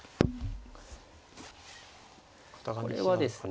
これはですね。